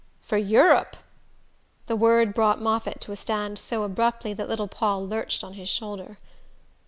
"For Europe?" The word brought Moffatt to a stand so abruptly that little Paul lurched on his shoulder.